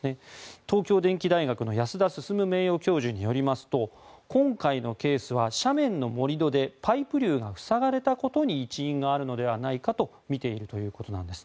東京電機大学の安田進名誉教授によりますと今回のケースは斜面の盛り土でパイプ流が塞がれたことに一因があるのではないかとみているということです。